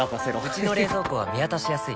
うちの冷蔵庫は見渡しやすい